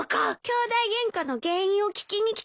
きょうだいゲンカの原因を聞きに来たの。